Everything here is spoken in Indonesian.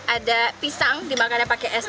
ada pisang which di makannya pakai es